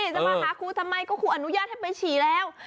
จะมาหาครูทำไมก็ครูอนุญาตให้ไปฉี่แล้ว